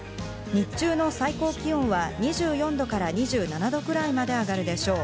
日中の最高気温は２４度から２７度くらいまで上がるでしょう。